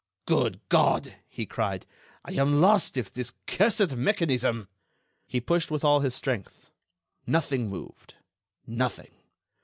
"Good God!" he cried; "I am lost if this cursed mechanism—" He pushed with all his strength. Nothing moved—nothing!